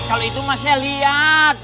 kalau itu masnya lihat